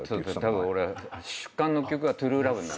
たぶん俺出棺の曲が『ＴＲＵＥＬＯＶＥ』になる。